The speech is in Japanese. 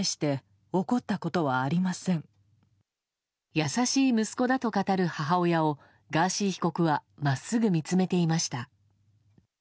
優しい息子だと語る母親をガーシー被告は真っすぐ見つめていました。